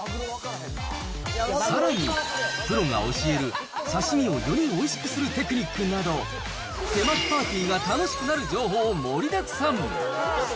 さらに、プロが教える刺身をよりおいしくするテクニックなど、手巻きパーティーが楽しくなる情報盛りだくさん。